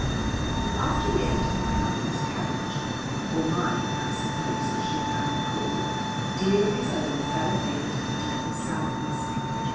But after we entered my Uncle's carriage or mine, I suppose, it should now be called dear Isola fell away into the deepest silence.